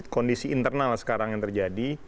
kondisi internal sekarang yang terjadi